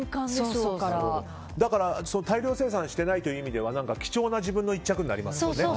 大量生産していないという意味では貴重な自分の１着になりますよね。